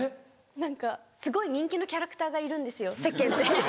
何かすごい人気のキャラクターがいるんですよ世間で。